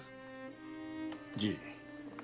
じい。